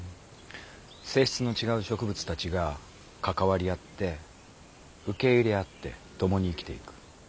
性質の違う植物たちが関わり合って受け入れ合って共に生きていく。